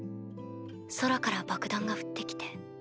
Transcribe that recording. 空から爆弾が降って来て。